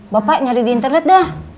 bapak nyari di internet dah